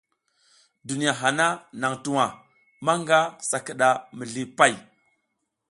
Duniya hana nang tuwa, manga sa kida mizli pay.